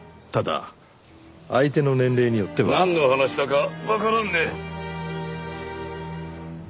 ただ相手の年齢によっては。なんの話だかわからんね。